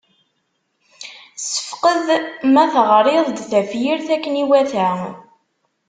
Ssefqed ma teɣriḍ-d tafyirt akken iwata.